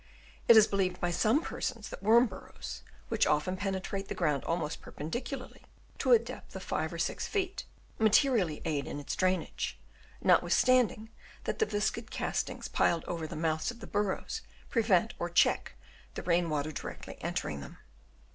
It is believed by some persons that worm burrows, which often penetrate the ground almost perpendicularly to a depth of 5 or 6 feet, materially aid in its drainage ; notwith standing that the viscid castings piled over the mouths of the burrows prevent or check the rain water directly entering them.